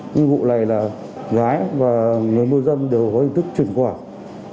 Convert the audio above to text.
nhưng vụ này là gái và người môi dâm đều có hình thức chuyển khoản